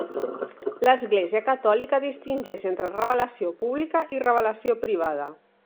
L'Església catòlica distingeix entre revelació pública i revelació privada.